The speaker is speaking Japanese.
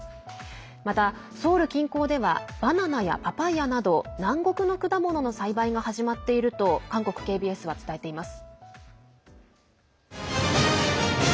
またソウル近郊ではバナナやパパイアなど南国の果物の栽培が始まっていると韓国ＫＢＳは伝えています。